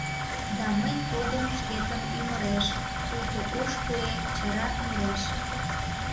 Да мый кодым шкетын ӱмыреш — пуйто ош куэ чара нуреш.